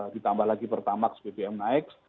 ditambah lagi pertamax bbm naik